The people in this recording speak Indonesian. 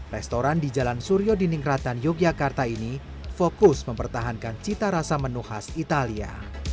restoran di jalan suryo di ningratan yogyakarta ini fokus mempertahankan cita rasa menu khas italia